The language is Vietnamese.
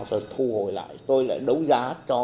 thôi thu hồi lại tôi lại đấu giá cho